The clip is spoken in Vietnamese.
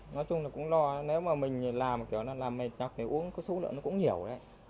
nói chung là cũng lo nếu mà mình làm kiểu là làm mệt nhọc thì uống cái số lượng nó cũng nhiều đấy